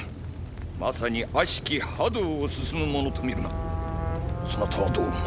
まさに悪しき覇道を進む者と見るがそなたはどう思う？